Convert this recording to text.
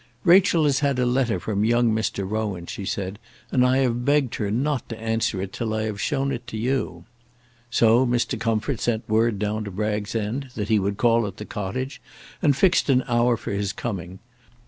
"Rachel has had a letter from young Mr. Rowan," she said, "and I have begged her not to answer it till I have shown it to you." So Mr. Comfort sent word down to Bragg's End that he would call at the cottage, and fixed an hour for his coming.